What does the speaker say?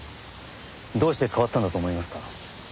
どうして変わったんだと思いますか？